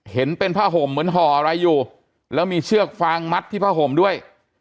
เห็นเป็นผ้าห่มเหมือนห่ออะไรอยู่แล้วมีเชือกฟางมัดที่ผ้าห่มด้วย